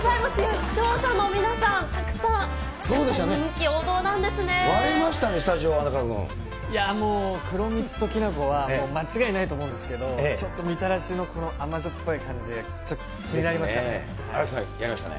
視聴者の皆さん、たくさん、割れましたね、スタジオは、いやあ、もう、黒蜜ときな粉は間違いないと思うんですけど、ちょっとみたらしのこの甘じょっぱい感じがちょっと気になりまし新木さん、やりましたね。